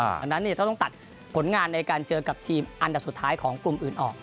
ดังนั้นจะต้องตัดผลงานในการเจอกับทีมอันดับสุดท้ายของกลุ่มอื่นออก